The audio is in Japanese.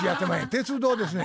鉄道ですね。